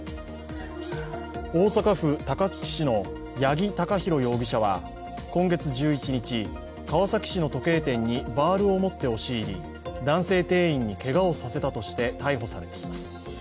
大阪府高槻市の八木貴寛容疑者は今月１１日、川崎市の時計店にバールを持って押し入り、男性店員にけがをさせたとして逮捕されています。